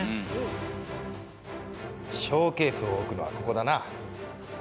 ショーケースを置くのはここだな。